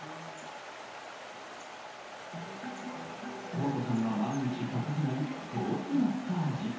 十和子さんが毎日欠かさない頭皮マッサージ。